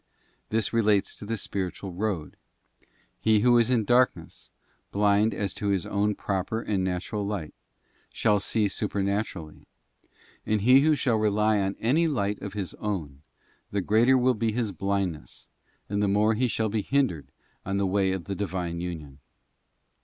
'* This relates to the spiritual road: he who is in darkness, blind as to his own proper and natural light, shall see supernaturally, and he who shall rely on any light of his own, the greater will be his blindness, and the more he shall be hindered on the way of the Divine union.